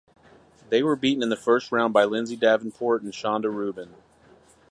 They were beaten in the first round by Lindsay Davenport and Chanda Rubin.